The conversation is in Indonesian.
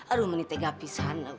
aduh manik itu enggak pisan